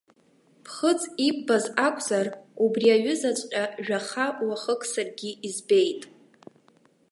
Ԥхыӡ иббаз акәзар, убри аҩызаҵәҟьа жәаха уахык саргьы избеит.